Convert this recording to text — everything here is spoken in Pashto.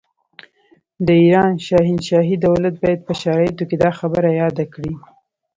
د ایران شاهنشاهي دولت باید په شرایطو کې دا خبره یاده کړي.